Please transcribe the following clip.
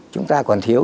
chúng ta còn thiếu